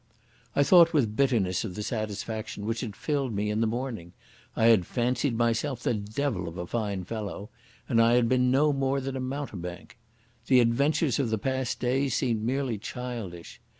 I thought with bitterness of the satisfaction which had filled me in the morning. I had fancied myself the devil of a fine fellow, and I had been no more than a mountebank. The adventures of the past days seemed merely childish.